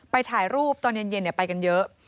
ถ่ายรูปตอนเย็นไปกันเยอะ